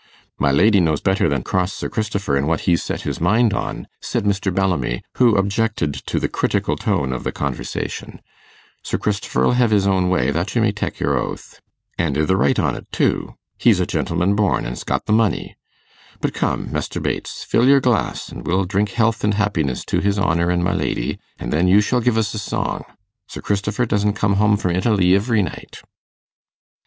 'My lady knows better than cross Sir Cristifer in what he's set his mind on,' said Mr. Bellamy, who objected to the critical tone of the conversation. 'Sir Cristifer'll hev his own way, that you may tek your oath. An' i' the right on't too. He's a gentleman born, an's got the money. But come, Mester Bates, fill your glass, an' we'll drink health an' happiness to his honour an' my lady, and then you shall give us a song. Sir Cristifer doesn't come hum from Italy ivery night.